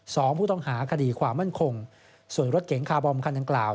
สองผู้ต้องหาคดีความมั่นคงส่วนรถเก๋งคาร์บอมคันดังกล่าว